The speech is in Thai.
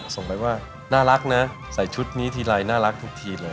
ส่งไปว่าน่ารักนะใส่ชุดนี้ทีไรน่ารักทุกทีเลย